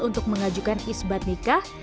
untuk mengajukan isbat nikah